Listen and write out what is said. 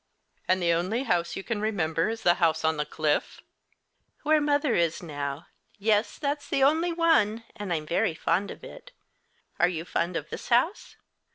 "And the only house you can remember is the house on the cliff?" "Where mother is now yes, that's the only one, and I'm very fond of it. Are you fond of this house?"